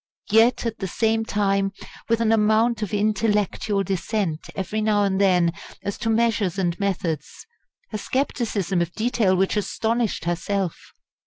Yet, at the same time, with an amount of intellectual dissent every now and then as to measures and methods, a scepticism of detail which astonished herself!